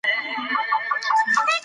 غابي د خپل کورنۍ د ملاتړ څخه ځواک اخلي.